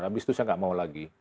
habis itu saya nggak mau lagi